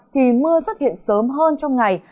thì mưa xuất hiện sớm hơn trong ngày